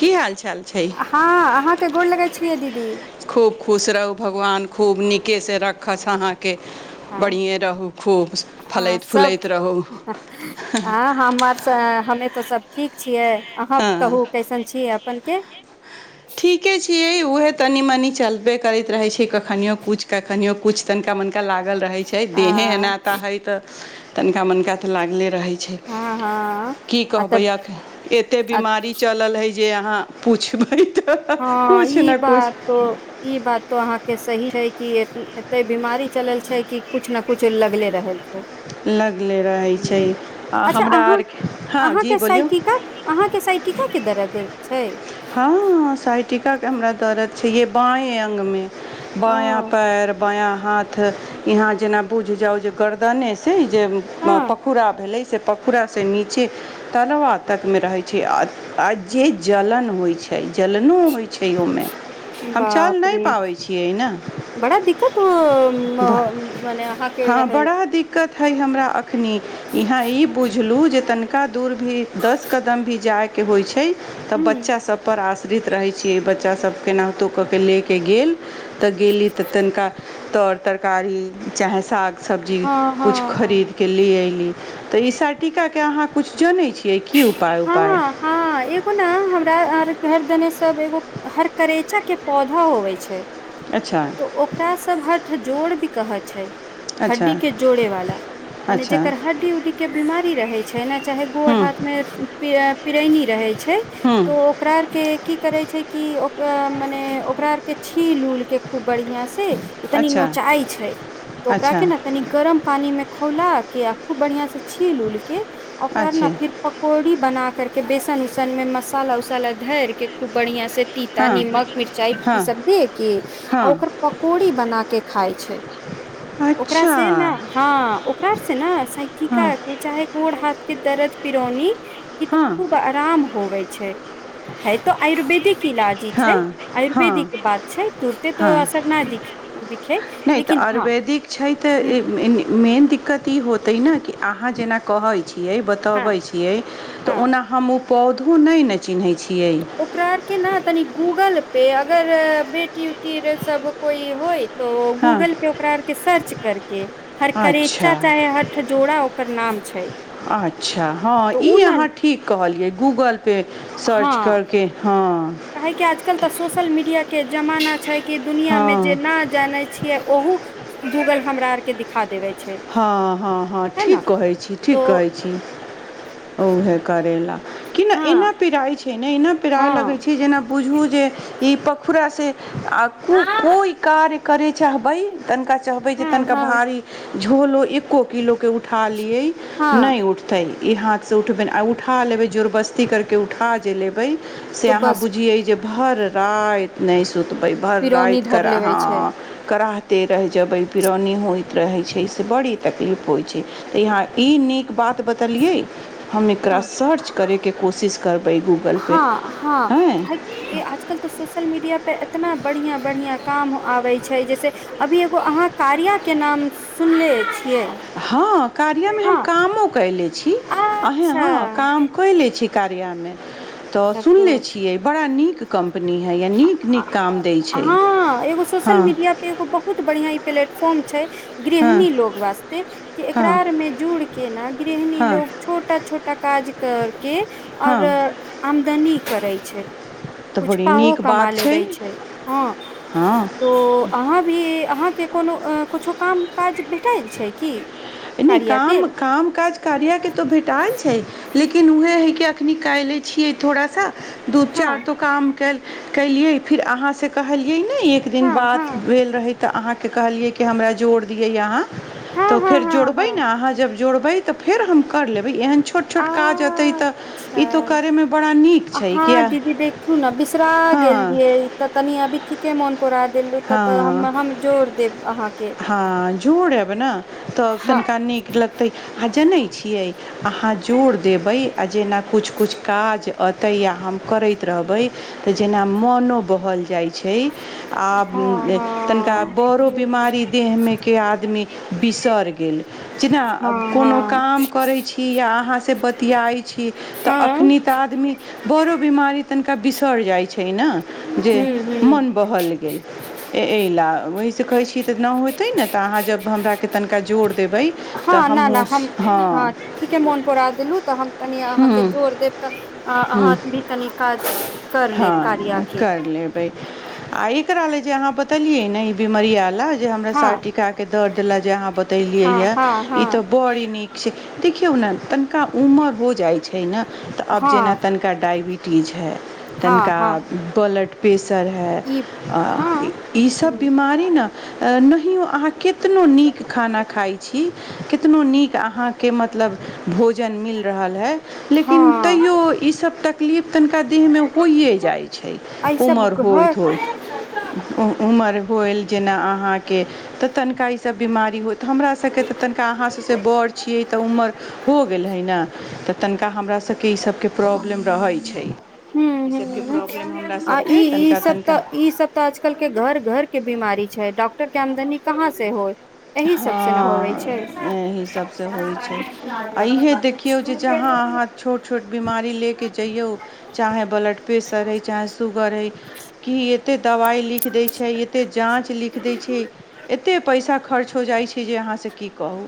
की हाल चाल छै हँ अहाँके गोड़ लगै छियै दीदी खुब खुश रहू भगबान खूब नीकेसँ रख अहाँके बढ़िएँ रहू खूब ह फलैत सब फूलैत रहू आ हमर हमे तो सब ठीक छियै अहाँ हँ कहू कैसन छी आब अपनन के ठीके छै छियै उहे तनी मनी चलबे करैत रहे छै कखनियो कुछ कखनियो कुछ तनिका मनिका लागल रहै छै आ देहे एनाता हइ तऽ तनिका मनिका तऽ लागले रही हँ हँ की आ कहबै तब अख एते आ बीमारी चलल है जे अहाँ पुछबै तऽ हँ किछु ई ने किछु बात ई बात तो अहाँके सही छै कि एते बीमारी चलल छै कि किछु ने किछु लगले रहल छै लगले रहै छै हं आ अच्छा हमरा आरके हँ जी अहांके बोलियौ सायकिका अहां के सायटिका किधर हेतै छै टीकाके हमरा दरद छैे बाँए अङ्गमे ओ बायाँ पैर बायाँ हा हाथ यहाँ जेना बुझि जाउ जे गरदने से जे हँ पखुड़ा भेलै से पखुड़ा से नीचे तलबा तक मे रहैत छै आ जे जलन होइ छै जलनो होय छै उ मेहम चल बाप नै रे पाबै छियै न बड़ा दिक्कत हो मने अहाँके हं रहै बड़ा दिक्कत है हमरा अखनीइहां ई बुझलु जे दूर भी दस कदम भी जाएके के होइ छै तब हूँ बच्चा सब पर आश्रित रहे छीयै बच्चा सब केनाहुतो क के ले के गेल तऽ गेली तऽ तनिका तर तरकारी चाहे साग सब्जी हँ किछु हँ खरीदके लऽ अयली तऽ ई सटीकाके अहाँ किछु जनै छियै की उपाय उपाय हँ हर देने सब एगो हर करैचा के पौधा होवे छै अच्छा तऽ ओकरा सब हथ जोड़ कहै छै अच्छा हड्डी के जोड़े वाला मने अच्छा जेकर हड्डी उड्डी के बीमारी रहै छै ने चाहे ओय हुँ हाथमे पीडा़ पीड़ैनी रहै छै हुँ तो ओकरा आर के की करे छै कि ओ मने ओकरा आर के छील उल के खूब बढ़िया से तनि अच्छा नोचाई छै तऽ ओकरा अच्छा के ने तनि गरम पानी मे खौलक के आ खूब बढ़ियां से छील उल के कर अच्छे न फिर पकौड़ी बना कर के बेसन उसन में मसाला उसाला धर के खूब बढ़िया से तीता हँ नीमक मिरचाई हँ ई सब दे के हँ आ ओकर पकौड़ी बना के खाइ छै ओकरा अच्छा से ने हँ कर छै ने हँ टिका के चाहे मूर हाथ के दरद पिरौनी क तो खूब हँ आराम होबय छै है त आयुर्वेदिक इलाजी छै हँ आयुर्वेदिक हँ बात छै तुरते तो हँ असर नहि दिखे नहि तऽ लेकिन हँ आयुर्वेदिक छै ह तऽहि नहि कि अहाँ जेना कहै छियै हँ बतबै छियै हँ तऽ ओना हम उ पौधो नहि ने चिन्हैैत छी तऽ ओकरा आर के न तनीक गूगल पे अगर बेटी उटी सब कोइ होय तो हँ गूगल पे ओकरा आर के सर्च करके हर अच्छा करेचा चाहे हठ जोड़ा ओकर नाम छै अच्छा हँ तऽ ई ओ ने अहाँ ठीक कहलियै गूगल पे सर्च हँ करके हँ काहे कि आजकल तऽ सोशल मीडिया के जमाना छै के दुनिआँमे जे हँ नहि जानै छियै ओहो गूगल हमरा आर के दिखा देबे हँ हँ हँ ठीक कहै छी तो ठीक कहै छी उहे करैला क हँ नहि एना पिराइ छै ना एना पेराय लगै हँ छै जेना बुझू जे ई पखुड़ासे आ कु कोइ कार्य करय चाहबै तनिका चहबै जे हँ तनिका हँ भारी झोलो एको किलो के उठा लियै हँ नहि उठतै ई हाथ से उठबे नहि आ उठा लेबे जोर बस्ती करके उठा जे लेबै बै से तो अहाँ बस बुझियै जे भर रात नहि सुतबै भर पिरौनी राति धर कराह लेबै छै ह कराह ते रहि जेबै पिरौनी होइत रहै छै से बड़ी तकलीफ होइ छै तऽ यहाँ ई नीक बात बतेलियै हम एकरा हँ सर्च करैके कोशिश करबै हँ गूगलपर हँ आँय आजकल तऽ सोशल मीडिया पे इतना बढ़िआँ बढ़िआँ काम आबै छै जैसे अभी एगो अहाँ कार्याके नाम सुनले छियै हँ कार्यामे हम हँ कामो कयले छी अहे अच्छा हँ काम कयले छी कार्यामे तऽ सुनले छियै बड़ा नीक कंपनी हइ आ नीक नीक काम दै ह छै एगो हँ सोशल मीडिया पे एगो बहुत बढ़िआ पलेट फार्म छै हँ गृहिणी लोग वास्ते कि एकरा हँ आरमे जुड़ के ने गृहिणी लोग हँ छोटा छोटा काज करके हँ आओर आमदनी करै छै तऽ कुछु बड़ी पाहो नीक कमा बात लेबे छै हँ हँ तो अहाँ भी अहाँ के कोनो कुछो काम काज भेटैल छै की नहि कार्या के काम काम काज कार्या के तो भेटाइ छै लेकिन उहे है कि निकालिलै छियै थोड़ा सा दू हँ चार ठो काम कयलियै फिर अहाँ सँ कहल ई नइ एक दिन हँ हँ बात भेल रहे त आहाँ के कहलियै कि हमरा जोड़ दियै अहाँ हँ तऽ हँ फेर हँ जोड़बै हँ ने अभि एहेन अच्छा करयमे बड़ा नीक छै हँ किया दीदी देखियौ न बिसरा हँ गेलियै तऽ तनी अभी ठीके मोन परा देलू त तऽ हम हँ हम जोड़ देब अहाँके न तऽ हँ तनिका नीक लगतै आ जनै छियै अहाँ जोर देबै आ जेना कुछ कुछ काज अतै या हम करैत रहबै तऽ जेना मोनो बहल जाइ छै आब हु हँ तनिका हँ हँ बड़ो बीमारी देहमे के आदमी बिसर गेल जेना कोनो काम करै छी या अहाँसँ बतियाइत छी तऽ हँ अखनी तऽ आदमी बड़ो बीमारी तनिका बिसर जाइ छै न जे हूँ हूँ मन बहल गेल ऐ एय ल ओहिसँ कहै छियै त न होतै ने तऽ आहाँ जब हमरा के हँ ना ना हम हँ ठीके मोन परा देलहुँ तऽ हम तनि अहाँके हूँ जोर देब तऽ हूँ अहाँ भी कनि काज कर लेब कार्या हँ के कर लेबै आ एकरा ल जे अहाँ बतेलियै न ई बीमरिया लऽ जे हमरा हँ सा टिका के द देलक जे देलियै हँ या हँ ई हँ तऽ बड़ी नीक छै देखि यो नऽ तनिका उमर हो जाइ छै ने तऽ आब जेना हँ तनिका डाइबिटीज हइ हँ तनका हँ बोल ब्लड पेस पेसर हई ई आ हँ ई सब बिमारी न अ नहियो आहाँ केतनो निक खाना खाई छी केतनो निक आहाँ के मतलब भोजन मिल रहल हइ लेकिन हँ तयो इ सब तऽ किलिप तनिका दी होइए जाइ छै आ ई सब उमर घर होइत होइत उ उमर होइल जेना अहाँके तऽ तनिका इ सब बीमारी होइत तऽ हमरा सब के तऽ तनिका आहाँ सबसे बड़ छिये तऽ उमर हो गेल हइ न तऽ तनिका हम हमरा सबके ई सबके प्रॉब्लम रहै छै ई सबके प्रॉब्लम हमरा आ ई सबके ई तनिका सब तनिका तऽ ई सब तऽ आजकल के घर घर के बीमारी छै डॉक्टर के आमदनी कहाँ से होइ हँ एहि सभ से होइ छै आ इहे देखियौ जे जहाँ आहाँ छोट छोट बीमारी लेऽ के जइयौ चाहे ब्लड पेशर होइ चाहे शूगर होइ की एतै दबाइ लिख दै छै एते जाँच लिख दै छै एते पैसा खर्च हो जाइ छै जे अहाँसँ की कहू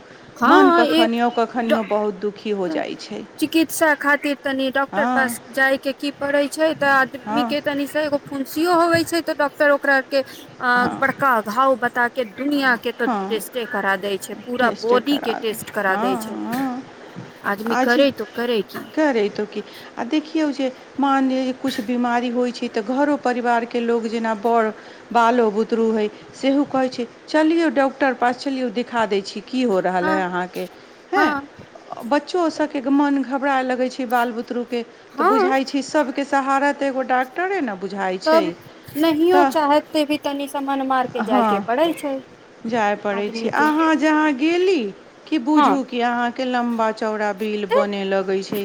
मन हँ कखनियो कखनियो बहुत दुखी हो जाइ छै चिकित्सा खातिर तनि डॉक्टर हँ पास जायके की पड़ै छै तऽ आदमी हँ के तनि से एगो फोन सीयो होबै छै तऽ डॉक्टर ओकरा के हँ बड़का अ घाव बता के दुनिया के टेस्टे करा देय छै पूरा बॉडी चकर के टेस्ट करा दै हँ छै ह आदमी आज करे तो करे की क रही तो की आ देखि देखियौ जे मान लिअ जे किछु बीमारी होइ छै तऽ घरो परिवारके लोको जेना बड़ बालो बुतरू हइ सेहो कहैत छै चलियौ डॉक्टर पास चलियौ द खा दै छी की हो रहल है हँ अहाँके हँ ब च्चो सबके मोन घबराय लगै छै बाल बुतरुक के तऽ हँ बुझाइ छै सबके सहारा त एगो डाक्टरे ने बुझाइ छै तब नहियो तऽ चाहते भी तनि समन मार के जाय हँ के पड़ै छै आदमी के अहां जहां गेली कि हँ बुझू की अहांके लम्बा चौड़ा बिल तऽ बनऽलगै छै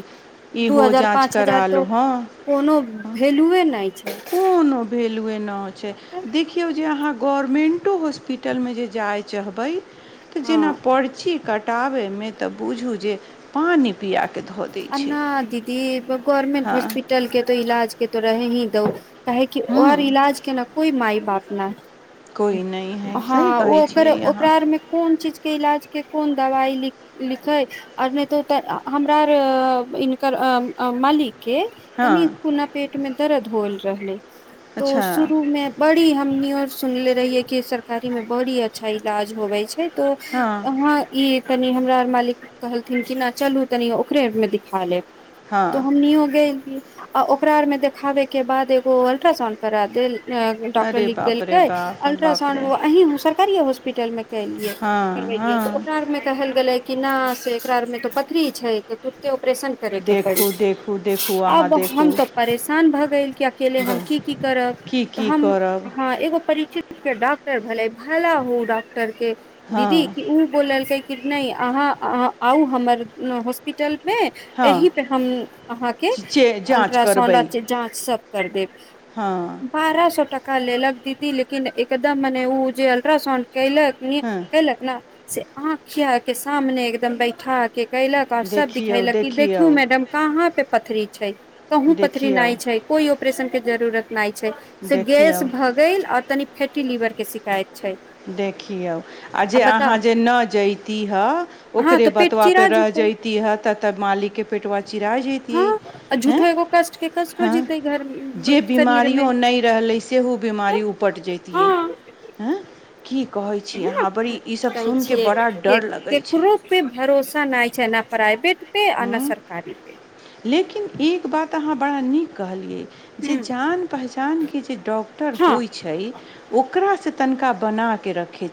दू इहो हजार जांच पाँच करा हजार लू तो कोनो वैल्यूए नहि छै हंकोनो भे भेलुए न है छै तऽ देखियौ जे अहां गवर्मेन्टो हॉस्पिटलमे जे जाइ चाहबै तऽ हँ जेना पर्ची कटाबयमे तऽ बुझू जे पानि पिया अ ना दीदी गवर्नमेंट हँ हॉस्पिटल के तो इलाज के तो रहे ही तौ काह कि हूँ और इलाज केना कोइ माय बाप न कोइ नहि है सही हँ ओ कहै ओकर छियै अहाँ ओकरा आरमे कोन चीज इलाज के कोन दवाई लिखै आओर नहि तऽ हम इनकर अ अ मालिक के हँ तनीको ओ ना पेटमे दरद होल रहलै तो अच्छा शुरू मे बड़ी हमनी आर सुनले रहियै कि सरकारी में बड़ी अच्छा इलाज होवे छै नहि तो हँ अहाँ ई तनि हमरा आर मालिक कहलथिन कि नहि चलू तनि ओकरे मे दिखा लेब हँ तऽ हमनियौ गेलीयै आ ओकरा आर मे देखाबे के बाद एगो अल्ट्रासाउंड करा देल डॉक्टर अरे लिख बाप रे देलकै बाप बाप रे अल्ट्रासाउंड अहीं सरकारिए हॉस्पिटल मेे करैलियै हँ करवेलियै तऽ हँ ओकरा आर मे कहल गेलै किना से एकारमे त पत थरी छै तऽ तुरते अपरेशन करे के पड़ी देखू देखू देखू अहाँ आब देखू हम तऽ परेशान भऽ गेल कि अकेले हम की की करब की तऽ की हम करब ह एगो परीचित डॉक्टर भेलै भला हो डॉक्टर के हँ दीदी कि उ बोललकै कि नहि अहाँ अहाँ आउ हमर हॉस्पिटल मे हँ एहि पे हम अहाँके जाँच अल्ट्रासाउंड करबै जाँच सब कर देेब हँ बारह सौ टका ले लेलक दीदी लेकिन एकदम मने ओ जे अलट्रासाउंड कयलक नीक हँ कयलक न से आँखिआ के सामने एकदम बैठा के कयलक आऔर सब देखियौ दिखैलक की देखियौ देखु मैडम कहाँ पे पथरी छै कहूँ पथरी देखियौ न छै कोइ अपरेशन के जरूरत नहि छै से गैस देखियौ भऽ गेल आ तनि फैटी लिवर के शिकायत छै देखियौ आ जे अहाँ जे न जैती हे हँ ओकरे तऽ पेट बतवा पे चिरा रह जेतै जइतिह तऽ तब मालिकके पेटवा चिरा हँ आ जैतियै झूठो एगो कष्ट के कष्टो जीतै घर जे शरीर मे बीमारियो नहि रहलै सेहो बीमारी उपटि जैतियै की कहू वहि ने कहै छियै डर लगै छै केकरो पे भरोसा नहि छै न प्राइवेट पे आ हूँ नहि सरकारी पे लेकिन एक बात अहाँ बड़ा नीक कहलियै जे हूँ जान पहचानके जे डॉक्टर हँ होइ छै ओकरासँ तनिका बनाके रखै छी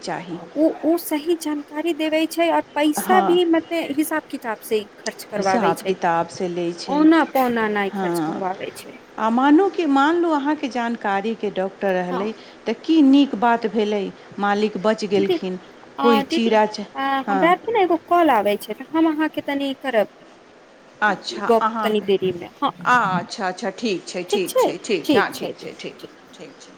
ओ ओ सही जानकारी देबै छै आ पैसा हँ भी मतलब हिसाब किताब से खर्च करवाबै हिसाब छै किताबसँ लैत छै औना पौना नहि हँ खर्च करवाबै छै आ मानू कि मान लू अहाँके जानकारी के डॉक्टर हँ रहलै तऽ की नीक बात भेलै मालिक बचि दीदी गेलखिन कोइ दीदी चीरा च हमरा हँ आरके ने एगो कॉल आबैत छै तऽ हम अहाँके तनि करब अच्छा गप तनि अहाँके देरीमे हँ अच्छा अच्छा ठीक ठीक छै ठीक छै ठीक छै हँ ठीक छै ठीक ठीक छै